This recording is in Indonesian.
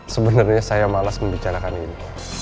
sebenarnya saya malas membicarakan ini